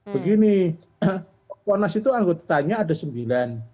begini ponas itu anggotanya ada sembilan